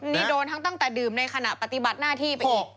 นี่โดนทั้งตั้งแต่ดื่มในขณะปฏิบัติหน้าที่ไปอีก